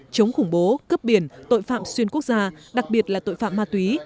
chống khủng bố cướp biển tội phạm xuyên quốc gia đặc biệt là tội phạm ma túy